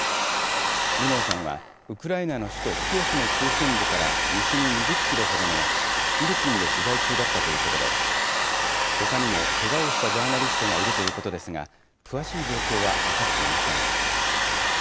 ルノーさんはウクライナの首都キエフの中心部から西に２０キロほどの街イルピンで取材中だったということでほかにもけがをしたジャーナリストがいるということですが詳しい状況は分かっていません。